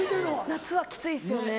夏はきついですよね。